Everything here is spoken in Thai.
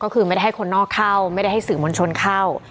ก็คือไม่ได้ให้คนนอกเข้าไม่ได้ให้สื่อมวลชนเข้า